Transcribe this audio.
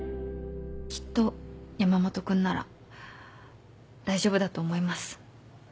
きっと山本君なら大丈夫だと思います。